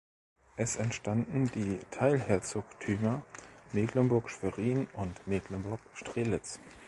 Es entstanden die Teilherzogtümer Mecklenburg-Schwerin und Mecklenburg-Strelitz.